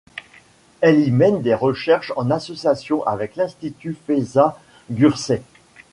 Elle y mène des recherches en association avec l'Institut Feza Gürsey.